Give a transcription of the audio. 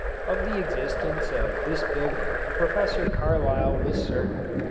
Of the existence of this building Professor Carlyle was certain.